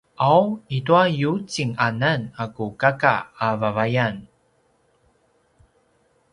’aw i tua yucinganan a ku kaka a vavayan